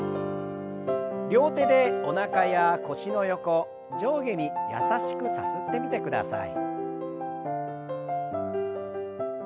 両手でおなかや腰の横上下に優しくさすってみてください。